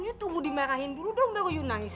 yuk tunggu dimarahin dulu dong baru yuk nangis